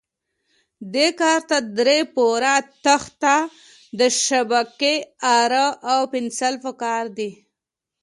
دې کار ته درې پوره تخته، د شبکې اره او پنسل په کار دي.